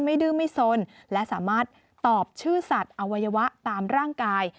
ดื้อไม่สนและสามารถตอบชื่อสัตว์อวัยวะตามร่างกาย